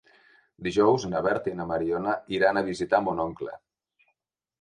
Dijous na Berta i na Mariona iran a visitar mon oncle.